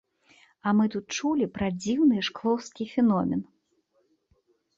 А мы тут чулі пра дзіўны шклоўскі феномен.